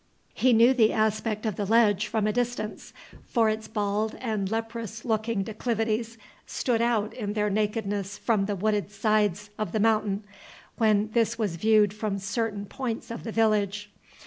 He knew the aspect of the ledge from a distance; for its bald and leprous looking declivities stood out in their nakedness from the wooded sides of The Mountain, when this was viewed from certain points of the village.